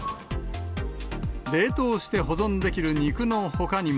冷凍して保存できる肉のほかにも。